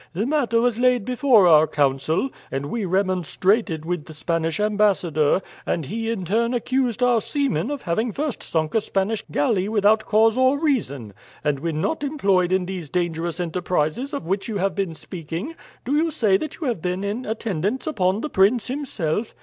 "The matter was laid before our council, and we remonstrated with the Spanish ambassador, and he in turn accused our seamen of having first sunk a Spanish galley without cause or reason. And when not employed in these dangerous enterprises of which you have been speaking, do you say that you have been in attendance upon the prince himself?